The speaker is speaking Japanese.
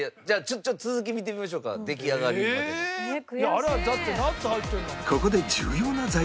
じゃあちょっと続き見てみましょうか出来上がるまでの。